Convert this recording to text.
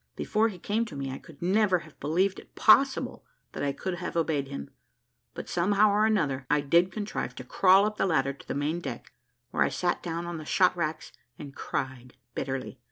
Before he came to me, I could never have believed it possible that I could have obeyed him; but somehow or another I did contrive to crawl up the ladder to the main deck, where I sat down on the shot racks and cried bitterly.